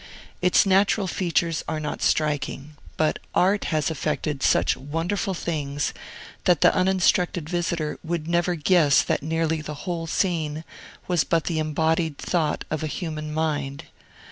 Its natural features are not striking; but Art has effected such wonderful things that the uninstructed visitor would never guess that nearly the whole scene was but the embodied thought of a human mind.